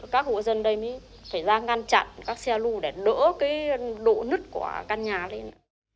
các hộ dân đây mới phải ra ngăn chặn các xe lưu để đỡ cái độ nứt của căn nhà lên